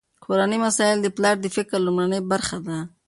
کورني مسایل د پلار د فکر لومړنۍ برخه ده.